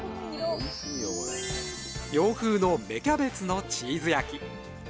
洋風の「芽キャベツのチーズ焼き」。